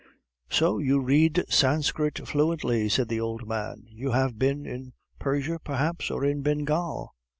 "So you read Sanskrit fluently," said the old man. "You have been in Persia perhaps, or in Bengal?"